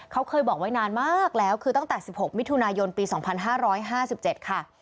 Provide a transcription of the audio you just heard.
เขาเคยบอกไว้นานมากแล้วคือตั้งแต่๑๖มิถุนายนปี๒๕๕๗ค่ะ